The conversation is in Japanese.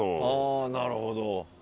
あなるほど。